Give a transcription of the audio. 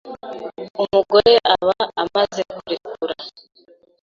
umugore aba amaze kurekura